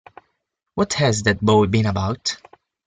What has that boy been about?